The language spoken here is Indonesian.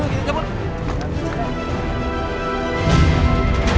ibu anak ibu kabur dari rumah sakit